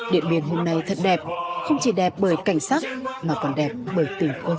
điện biên hôm nay thật đẹp không chỉ đẹp bởi cảnh sắc mà còn đẹp bởi tình quân dân